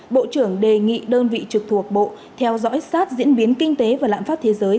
bộ trưởng đề nghị đơn vị trực thuộc bộ theo dõi sát diễn biến kinh tế và lạm phát thế giới